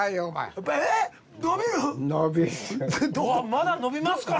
まだ伸びますかね？